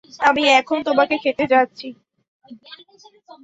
আমি এখন তোমাকে খেতে যাচ্ছি।